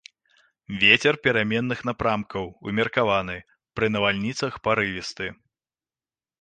Вецер пераменных напрамкаў умеркаваны, пры навальніцах парывісты.